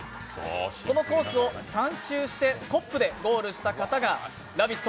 このコースを３周してトップでゴールした方がラヴィット！